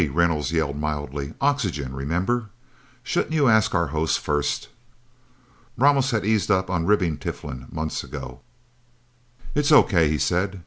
Reynolds said mildly. "Oxygen, remember? Shouldn't you ask our host, first?" Ramos had eased up on ribbing Tiflin months ago. "It's okay," he said.